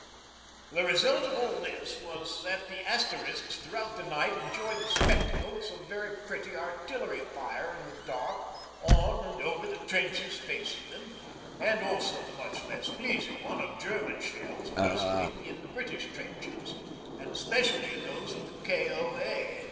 The result of it all was that the Asterisks throughout the night enjoyed the spectacle of some very pretty artillery fire in the dark on and over the trenches facing them, and also the much less pleasing one of German shells bursting in the British trenches, and especially in those of the K.O.A.